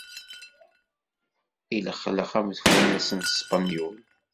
Illexlex am tfunast n ṣpenyul.